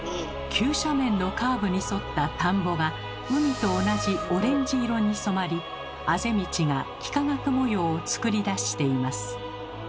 急斜面のカーブに沿った田んぼが海と同じオレンジ色に染まりあぜ道が幾何学模様を作り出しています。